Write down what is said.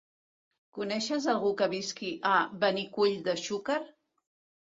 Coneixes algú que visqui a Benicull de Xúquer?